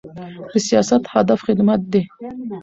د سیاست هدف خدمت دی